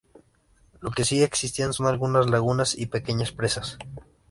Lo que sí existen son algunas lagunas y pequeñas presas.